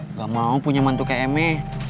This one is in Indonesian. nggak mau punya mantu kayak eme